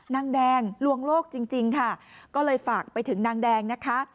นางแดงลวงโลกจริงค่ะก็เลยฝากไปถึงนางแดงนะคะ